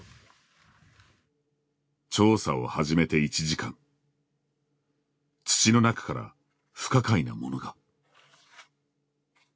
調査を始めて１時間土の中から不可解なものが。